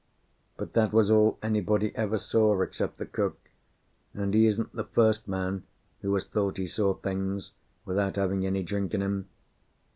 But that was all anybody ever saw except the cook, and he isn't the first man who has thought he saw things without having any drink in him.